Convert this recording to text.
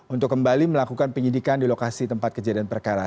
untuk kembali melakukan penyidikan di lokasi tempat kejadian perkara